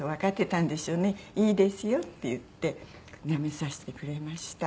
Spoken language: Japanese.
「いいですよ」って言ってなめさせてくれました。